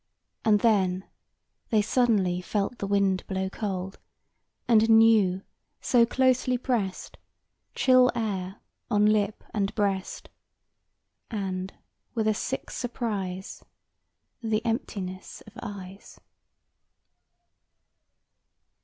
. And then They suddenly felt the wind blow cold, And knew, so closely pressed, Chill air on lip and breast, And, with a sick surprise, The emptiness of eyes.